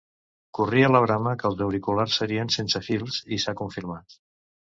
Corria la brama que els auriculars serien sense fils i s’ha confirmat.